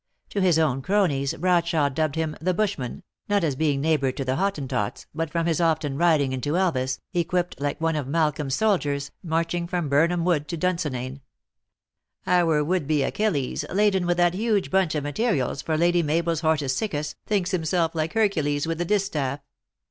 To his own cronies Bradshawe dubbed him the bushman, not as being neighbor to the Hottentots, but from his often riding into Elvas, equipped like one of Malcolm s soldiers, marching from Birnam wood to Dunsinane. 108 THE ACTRESS IN HIGH LIFE. " Oar would be Achilles, laden witli that huge bunch of materials for Lady Mabel s hortus siecus, thinks himself like Hercules with the distaff.